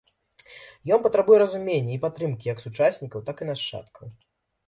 Ён патрабуе разумення і падтрымкі як сучаснікаў, так і нашчадкаў.